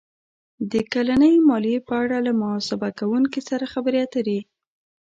-د کلنۍ مالیې په اړه له محاسبه کوونکي سره خبرې اتر ې